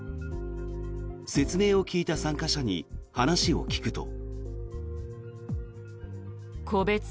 説明を聞いた参加者に話を聞くと。